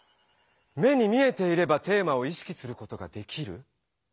目に見えていれば「テーマをいしきすることができる」。